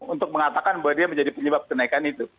untuk mengatakan bahwa dia menjadi penyebab kenaikan itu